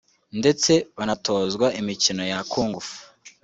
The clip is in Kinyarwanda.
ndetse banatozwa imikino ya Kung-fu